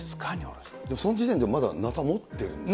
でもその時点でまだなた持ってるんですよ。